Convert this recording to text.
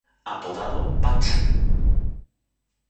Apodado "Pacha".